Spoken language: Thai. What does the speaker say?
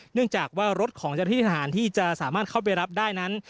เนื่องจากว่ารถของทหารที่จะสามารถเข้าไปรับได้นั้น